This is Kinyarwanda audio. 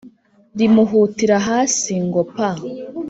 Rimuhutira hasi ngo paaa